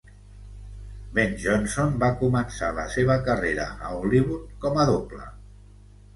Ben Johnson va començar la seva carrera a Hollywood com a doble.